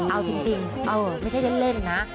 เอาเป็นจริงไม่ได้เล่นนะ